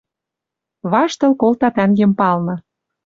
Ваштыл колта тӓнгем палны